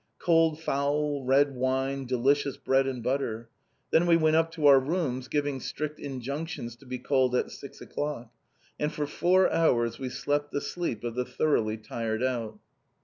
Cold fowl, red wine, delicious bread and butter. Then we went up to our rooms, giving strict injunctions to be called at six o'clock, and for four hours we slept the sleep of the thoroughly tired out.